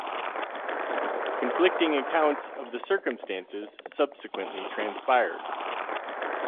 Conflicting accounts of the circumstances subsequently transpired.